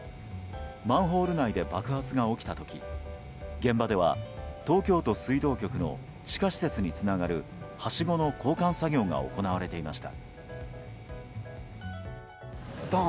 マンホール内で爆発が起きた時現場では、東京都水道局の地下施設につながるはしごの交換作業が行われていました。